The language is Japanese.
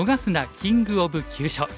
キング・オブ・急所」。